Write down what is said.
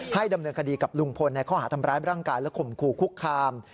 ดำเนินคดีกับลุงพลในข้อหาทำร้ายร่างกายและข่มขู่คุกคาม